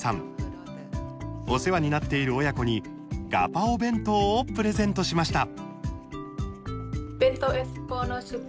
お世話になっている親子にガパオ弁当をプレゼントしました。